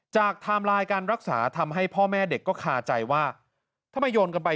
จากทำลายการรักษาทำให้พ่อแม่เด็กก็คาใจว่า